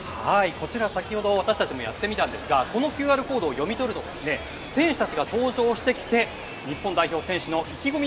こちら、先ほど私たちもやってみたんですがこのＱＲコードを読み取ると選手たちが登場してきて日本代表選手の意気込み